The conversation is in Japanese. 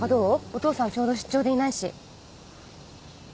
お父さんちょうど出張でいないし。